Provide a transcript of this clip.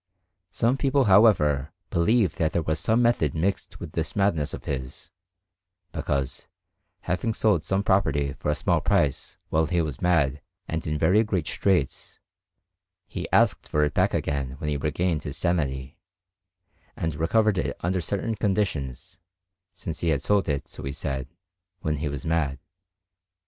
Some people, however, believe that there was some method mixed with this madness of his, because, having sold some property for a small price while he was mad and in very great straits, he asked for it back again when he regained his sanity, and recovered it under certain conditions, since he had sold it, so he said, when he was mad.